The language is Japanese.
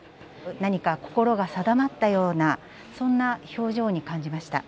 何か心が定まったような、そんな表情に感じました。